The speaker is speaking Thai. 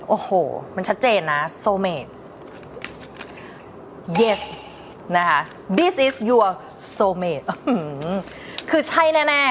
โอ้โหมันชัดเจนนะโซเมดนะคะคือใช่แน่แน่